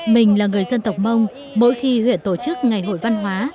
mình là người dân tộc mông mỗi khi huyện tổ chức ngày hội văn hóa